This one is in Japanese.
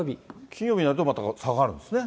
金曜日になると、また下がるんですね。